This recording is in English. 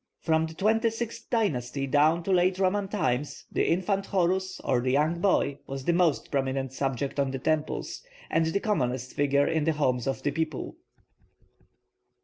From the twenty sixth dynasty down to late Roman times the infant Horus, or the young boy, was the most prominent subject on the temples, and the commonest figure in the homes of the people.